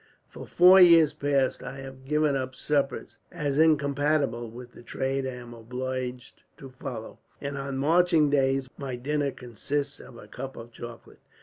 For four years past I have given up suppers, as incompatible with the trade I am obliged to follow; and on marching days my dinners consist of a cup of chocolate.